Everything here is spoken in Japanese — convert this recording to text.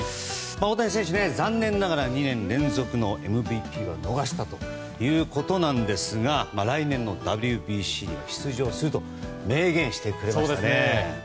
大谷選手残念ながら２年連続のＭＶＰは逃したということですが来年のＷＢＣに出場すると明言してくれましたね。